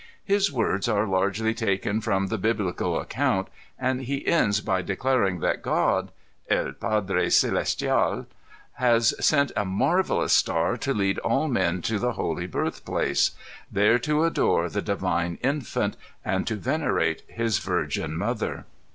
His words are largely taken from the Biblical account, and he ends by declaring that God {M Padre Celestial) has sent a marvdous star to lead all men to the holy Birthplace, there to adore the Divine Infant and to venerate his Virgin 274 mother.